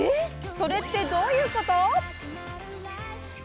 それってどういうこと？